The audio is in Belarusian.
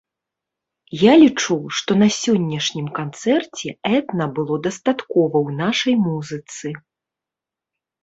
Я лічу, што на сённяшнім канцэрце этна было дастаткова ў нашай музыцы.